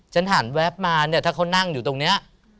ฉันหันแวบมาเนี่ยถ้าเขานั่งอยู่ตรงนี้